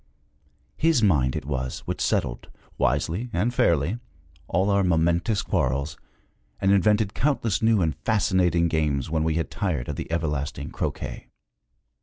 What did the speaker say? His mind it was which settled, wisely and fairly, all our momentous quarrels, and invented countless new and fascinating games when we had tired of the everlasting croquet.